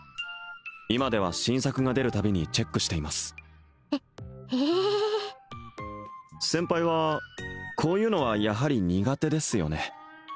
今では新作が出るたびにチェックしていますへへえ先輩はこういうのはやはり苦手ですよね？